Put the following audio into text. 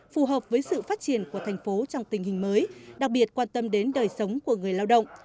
phù hợp với sự phát triển của thành phố trong tình hình mới đặc biệt quan tâm đến đời sống của người lao động